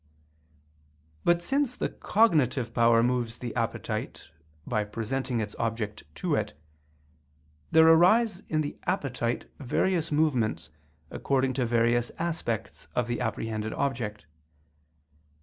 But since the cognitive power moves the appetite, by presenting its object to it; there arise in the appetite various movements according to various aspects of the apprehended object.